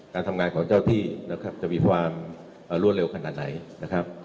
การทำงานของเจ้าที่นะครับจะมีความรวดเร็วขนาดไหนนะครับ